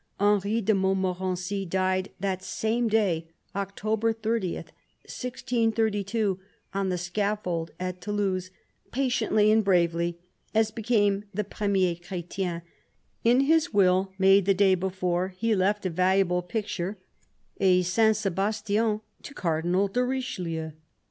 Henry de Mont morency died that same day, October 30, 1632, on the scaffold at Toulouse, patiently and bravely, as became the " premier Chrestien." In his will, made the day before, he left a valuable picture, a St. Sebastian, to Cardinal de Richelieu.